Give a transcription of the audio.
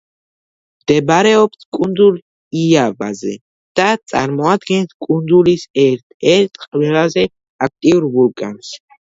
მდებარეობს კუნძულ იავაზე და წარმოადგენს კუნძულის ერთ-ერთ ყველაზე აქტიურ ვულკანს.